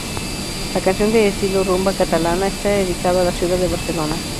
La canción de estilo rumba catalana, está dedicada a la ciudad de Barcelona.